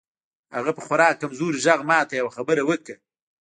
هغه په خورا کمزوري غږ ماته یوه خبره وکړه